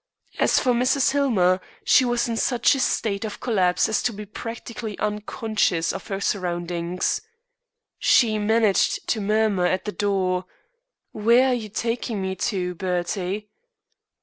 As for Mrs. Hillmer, she was in such a state of collapse as to be practically unconscious of her surroundings. She managed to murmur at the door: "Where are you taking me to, Bertie?"